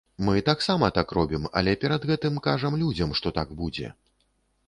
Мы таксама так робім, але перад гэтым кажам людзям, што так будзе.